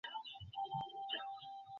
আলাসিঙ্গা কলম্বো থেকে মান্দ্রাজে ফিরে গেল।